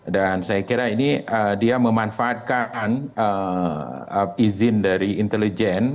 dan saya kira ini dia memanfaatkan izin dari intelijen